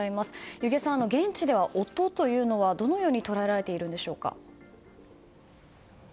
弓削さん、現地では、音はどのように捉えられているんでしょうか。